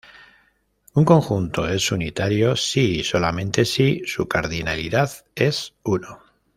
Un conjunto es unitario si y solamente si su cardinalidad es uno.